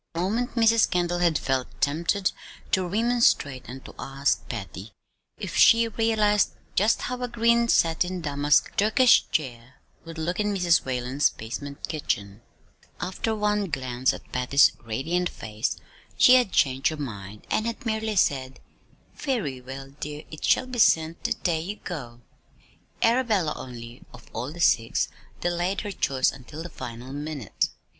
For a moment Mrs. Kendall had felt tempted to remonstrate, and to ask Patty if she realized just how a green satin damask Turkish chair would look in Mrs. Whalen's basement kitchen; but after one glance at Patty's radiant face, she had changed her mind, and had merely said: "Very well, dear. It shall be sent the day you go." Arabella only, of all the six, delayed her choice until the final minute.